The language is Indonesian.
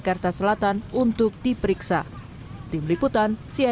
kita sedang upaya penyelidikan dan penyelidikan ya